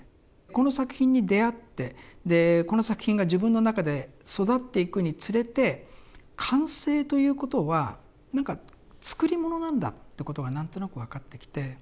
この作品に出会ってでこの作品が自分の中で育っていくにつれて完成ということは何か作り物なんだってことが何となく分かってきて。